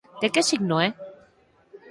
De que signo é?